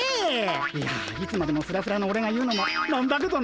いやいつまでもふらふらのオレが言うのも何だけどな。